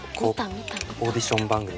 オーディション番組みたいな。